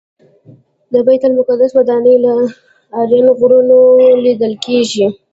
د بیت المقدس ودانۍ له اردن غرونو لیدل کېږي.